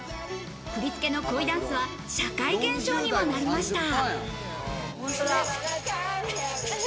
振り付けの恋ダンスは社会現象にもなりました。